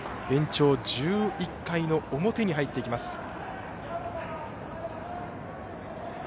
延長１１回の表に入ってきています。